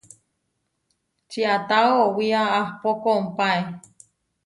Čiata oʼwía ahpó kompáe.